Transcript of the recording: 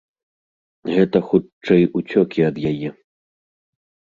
Гэта, хутчэй, уцёкі ад яе.